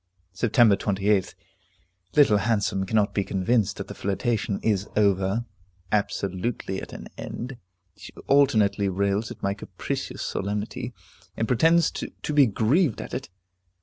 Sept. 28th. Little Handsome cannot be convinced that the flirtation is over, absolutely at an end. She alternately rails at my capricious solemnity, and pretends to be grieved at it.